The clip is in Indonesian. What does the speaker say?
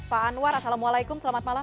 pak anwar assalamualaikum selamat malam